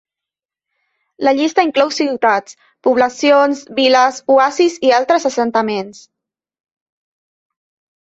La llista inclou ciutats, poblacions, viles, oasis i altres assentaments.